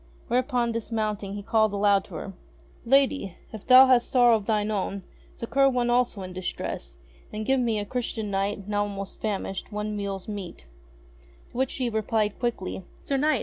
Whereupon, dismounting he called aloud to her : "Lady! If thou hast sorrow of thine own, succour one also in distress, and give me, a Christian Knight, now almost famished, one meal's meat." To which she replied quickly : "Sir Knight!